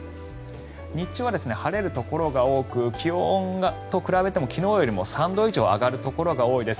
日中は晴れるところが多く気温と比べても昨日よりも３度以上上がるところが多いです。